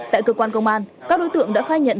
tại cơ quan công an các đối tượng đã khai nhận